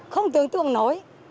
không tưởng tượng nổi